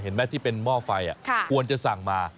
เห็นไหมที่เป็นหม้อไฟควรจะสั่งมา